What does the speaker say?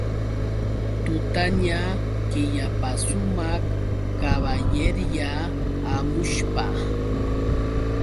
Tutaña killapasumaq kaballerya hamushpa.